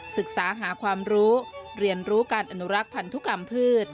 ศึกษาหาความรู้เรียนรู้การอนุรักษ์พันธุกรรมพืช